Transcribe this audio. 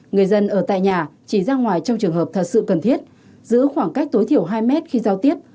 người dân ở tại nhà chỉ ra ngoài trong trường hợp thật sự cần thiết giữ khoảng cách tối thiểu hai mét khi giao tiếp